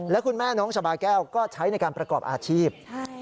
และคุณแม่น้องชาบาแก้วก็ใช้ในการประกอบอาชีพ